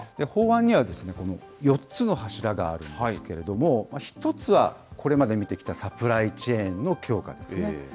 法案には、４つの柱があるんですけれども、一つは、これまで見てきたサプライチェーンの強化ですね。